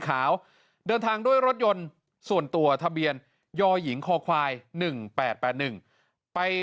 ขาวเดินทางด้วยรถยนต์ส่วนตัวทะเบียนยหญิงคอควาย๑๘๘๑ไป